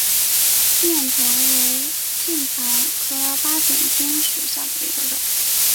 鸡眼藤为茜草科巴戟天属下的一个种。